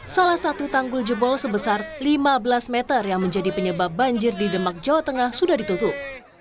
salah satu tanggul jebol sebesar lima belas meter yang menjadi penyebab banjir di demak jawa tengah sudah ditutup